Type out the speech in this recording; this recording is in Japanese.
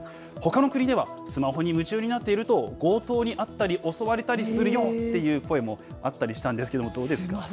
ほかの国ではスマホに夢中になっていると、強盗に遭ったり、襲われたりするよっていう声もあったりしたんですけれども、どうですか。